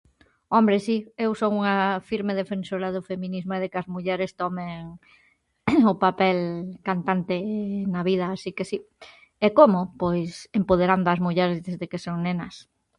Hombre, si, eu son unha firme defensora do feminismo e de que as mulleres tomen o papel cantante na vida así que si. E como? Pois, empoderando ás mulleres desde que son nenas.